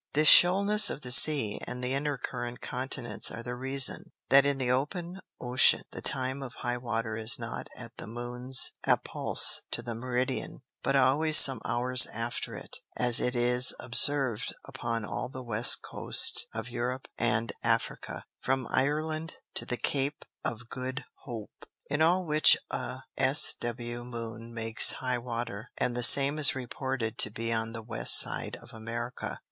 This shoalness of the Sea, and the intercurrent Continents are the reason, that in the open Ocean the time of High water is not at the Moons appulse to the Meridian, but always some Hours after it; as it is observ'd upon all the West Coast of Europe and Africa, from Ireland to the Cape of Good Hope: In all which a S. W. Moon makes High water, and the same is reported to be on the West side of America.